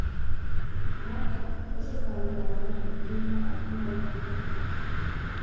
Arrantza, oso zabaldua dagoen ekintza da ibai honetan.